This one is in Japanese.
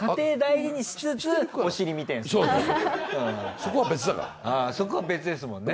そこは別ですもんね。